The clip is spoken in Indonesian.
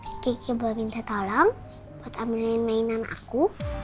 miss kiki mau minta tolong buat ambilin mainan aku